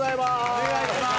お願いします。